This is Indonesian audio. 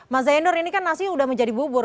mas zainur ini kan nasi sudah menjadi bubur